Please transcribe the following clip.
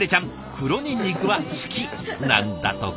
黒ニンニクは好きなんだとか。